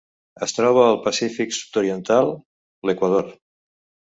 Es troba al Pacífic sud-oriental: l'Equador.